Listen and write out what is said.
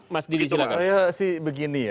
mas didi silakan